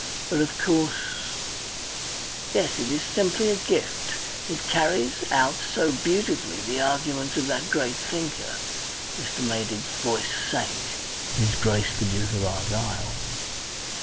But, of course Yes, it is simply a gift! It carries out so beautifully the arguments of that great thinker" Mr. Maydig's voice sank "his Grace the Duke of Argyll.